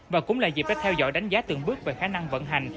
và cũng là dịp để theo dõi đánh giá từng bước về khả năng vận hành